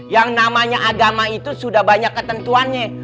yang namanya agama itu sudah banyak ketentuannya